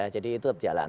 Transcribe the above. jadi itu tetap jalan